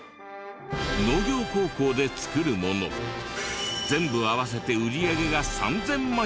農業高校で作るもの全部合わせて売り上げが３０００万円！